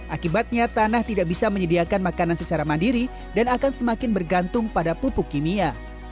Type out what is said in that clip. akibatnya tanah tidak bisa menyediakan makanan secara mandiri dan akan semakin bergantung pada pupuk kimia